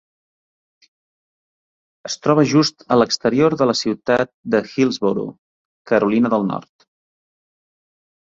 Es troba just a l'exterior de la ciutat de Hillsborough, Carolina del Nord.